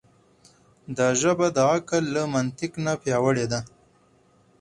دا ژبه د عقل له منطق نه پیاوړې ده.